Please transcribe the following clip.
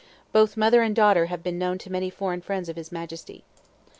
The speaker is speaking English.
Both mother and daughter have been known to many foreign friends of His Majesty.